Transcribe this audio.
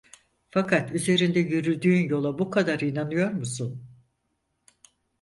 Fakat üzerinde yürüdüğün yola bu kadar inanıyor musun?